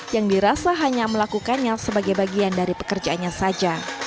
yang dirasa hanya melakukannya sebagai bagian dari pekerjaannya saja